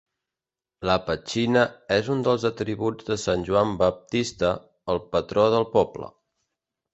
La petxina és un dels atributs de sant Joan Baptista, el patró del poble.